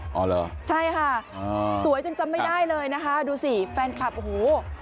อ๋อเหรอใช่ค่ะสวยจนจำไม่ได้เลยนะคะดูสิแฟนคลับโอ้โห